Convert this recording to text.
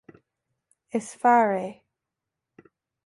is fear é